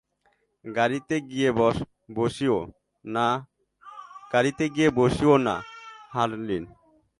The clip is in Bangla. গাড়িতে গিয়ে বসিও না, হারলিন।